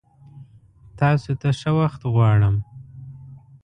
تاسو ته ښه وخت غوړم!